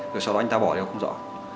rồi sau đó anh ta bỏ đi không rõ